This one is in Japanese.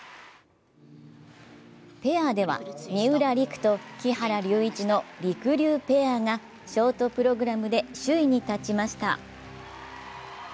ペアでは三浦璃来と木原龍一のりくりゅうペアがショートプログラムで首位に立ちました。